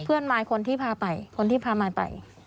เพื่อนมายคนที่พาไป